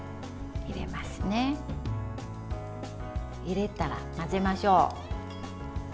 入れたら混ぜましょう。